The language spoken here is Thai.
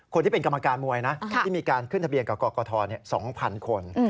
คนที่เป็นกรรมการมวยนะที่มีการขึ้นทะเบียนกับกกท๒๐๐๐คน